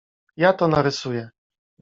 Ja to narysuje.